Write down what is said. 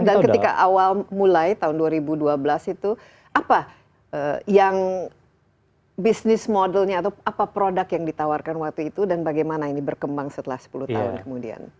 dan ketika awal mulai tahun dua ribu dua belas itu apa yang bisnis modelnya atau apa produk yang ditawarkan waktu itu dan bagaimana ini berkembang setelah sepuluh tahun kemudian